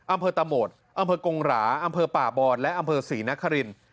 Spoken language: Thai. อำเภอตะโหมดอำเภอกงหราอำเภอป่าบอนและอำเภอศรีนคริน